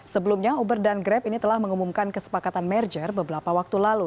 sebelumnya uber dan grab ini telah mengumumkan kesepakatan merger beberapa waktu lalu